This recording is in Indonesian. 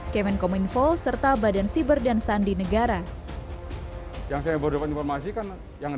kemenko minfo serta badan siber dan sandi negara yang saya berdoa informasikan yang